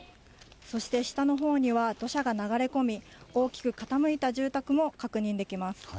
そして下のほうには土砂が流れ込み、大きく傾いた住宅も確認できます。